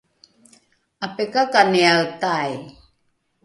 ’apikakaniae tai